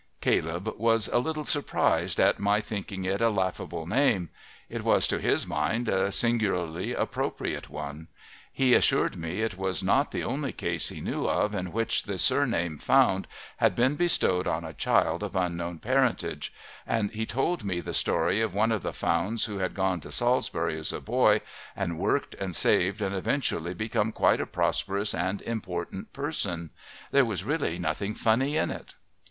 Caleb was a little surprised at my thinking it a laughable name. It was to his mind a singularly appropriate one; he assured me it was not the only case he knew of in which the surname Found had been bestowed on a child of unknown parentage, and he told me the story of one of the Founds who had gone to Salisbury as a boy and worked and saved and eventually become quite a prosperous and important person. There was really nothing funny in it.